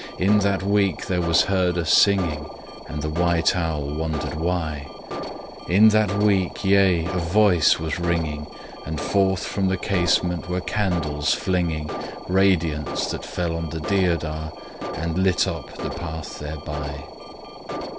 — In that week there was heard a singing, And the white owl wondered why. In that week, yea, a voice was ringing, And forth from the casement were candles flinging Radiance that fell on the deodar and lit up the path thereby.